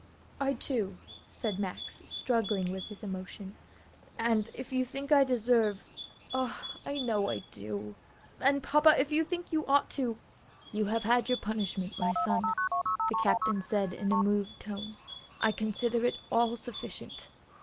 "I, too," said Max, struggling with his emotion, "and if you think I deserve (oh, I know I do), and, papa, if you think you ought to " "You have had your punishment, my son," the captain said in a moved tone. "I consider it all sufficient.